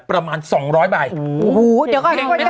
ประมาณสองร้อยใบโอ้โฮเดี๋ยวก่อนกดยังไงน่ะ